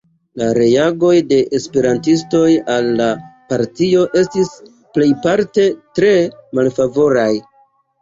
La reagoj de esperantistoj al la partio estis plejparte tre malfavoraj.